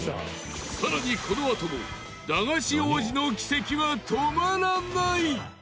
さらに、このあとも駄菓子王子の奇跡は止まらない